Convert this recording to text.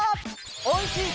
おいしい！